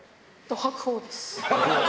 白鵬です！